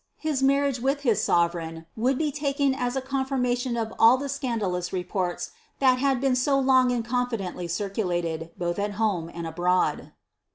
His marriage with his sovereign, would be taken as a confirniatioQ of ■11 the scandalous reports that had been so long and confidently circu kled, both at home and abroad.'